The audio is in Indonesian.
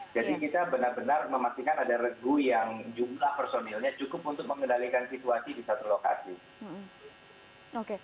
jadi kita benar benar memastikan ada regu yang jumlah personilnya cukup untuk mengendalikan situasi di satu lokasi